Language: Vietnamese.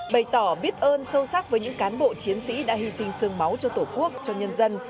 bày tỏ biết ơn sâu sắc với những cán bộ chiến sĩ đã hy sinh sương máu cho tổ quốc cho nhân dân